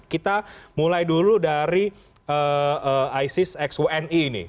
kita mulai dulu dari isis x uni ini